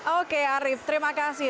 oke arief terima kasih